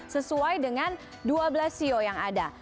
sesuai dengan dua belas sio yang ada